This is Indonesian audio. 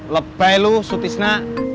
lebay lu sutisna